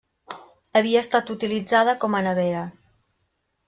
Havia estat utilitzada com a nevera.